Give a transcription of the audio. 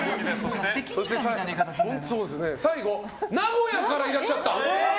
最後名古屋からいらっしゃった。